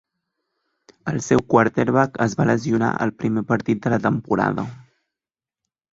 El seu quarterback es va lesionar al primer partit de la temporada.